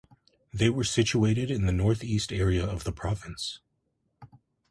They were situated in the northeast area of the province.